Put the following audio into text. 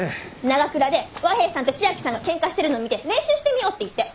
ながくらで和平さんと千明さんがケンカしてるの見て練習してみようって言って。